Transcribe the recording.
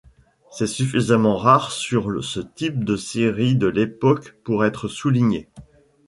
C'est suffisamment rare sur ce type de séries de l'époque pour être souligné.